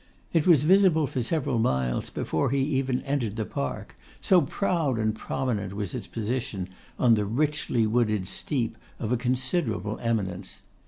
It was visible for several miles before he even entered the park, so proud and prominent was its position, on the richly wooded steep of a considerable eminence.